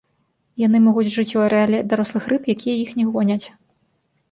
Яны могуць жыць у арэале дарослых рыб, якія іх не гоняць.